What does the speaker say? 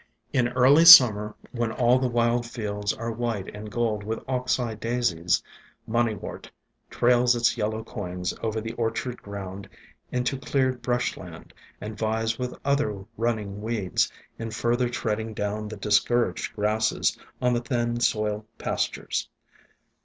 In early summer, when all the wild fields are white and gold with Ox eye Daisies, Moneywort ESCAPED FROM GARDENS 71 trails its yellow coins over the orchard ground into cleared brush land, and vies with other running weeds in further treading down the discouraged grass on the thin soiled pastures.